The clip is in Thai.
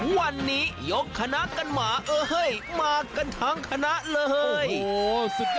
วันนี้ยกคณะกันหมาเอ้ยมากันทั้งคณะเลย